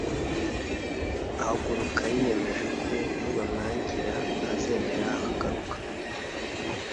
ahaguruka yiyemeje ko nibamwangira azemera akagaruka